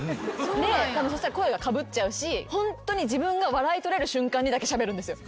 そしたら声がかぶっちゃうし自分が笑い取れる瞬間にだけしゃべるんですよ。